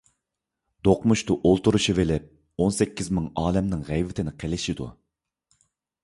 دوقمۇشتا ئولتۇرۇشۇۋېلىپ ئون سەككىز مىڭ ئالەمنىڭ غەيۋىتىنى قىلىشىدۇ.